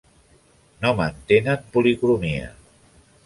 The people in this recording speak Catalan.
No mantenen policromia.